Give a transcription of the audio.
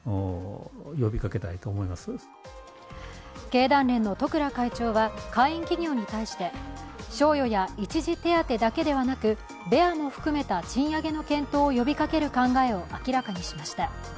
経団連の十倉会長は会員企業に対して賞与や一時手当だけでなくベアも含めた賃上げの検討を呼びかける考えを明らかにしました。